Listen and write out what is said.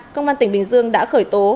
công an tỉnh bình dương đã khởi tố